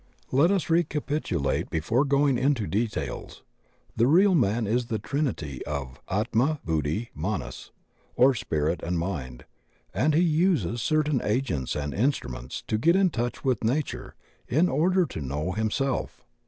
Let us recapitulate before going into details. The Real Man is the trinity of Atma Buddhi Manas, or Spirit and Mind, and he uses certain agents and instru ments to get in touch with nature in order to know himself.